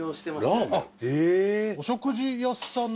お食事屋さん？